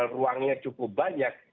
ruangnya cukup banyak